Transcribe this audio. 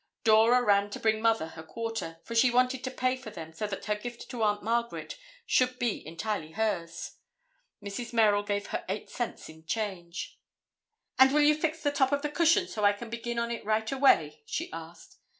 Dora ran to bring Mother her quarter, for she wanted to pay for them so that her gift to Aunt Margaret should be entirely hers. Mrs. Merrill gave her eight cents in change. "And will you fix the top of the cushion so I can begin on it right away?" she asked.